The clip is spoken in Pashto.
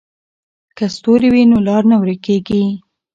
که ستوري وي نو لار نه ورکېږي.